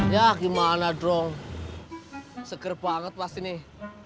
ya gimana dong seger banget pasti nih